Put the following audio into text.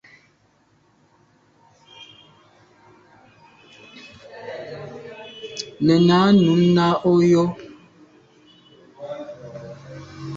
Nenà num nà o yo.